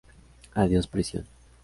Adiós prisión.